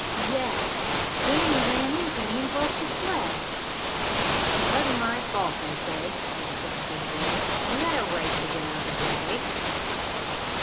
"Yes, Danny ran into me, and broke the sled." "It wasn't my fault, I say!" blustered the big boy. "You had a right to get out of the way."